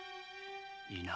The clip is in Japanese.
いいな？